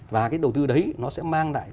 và cái đầu tư đấy nó sẽ mang lại